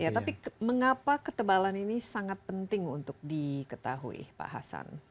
tapi mengapa ketebalan ini sangat penting untuk diketahui pak hasan